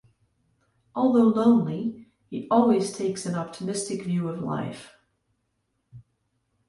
Although lonely, he always takes an optimistic view of life.